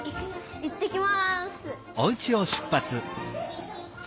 いってきます。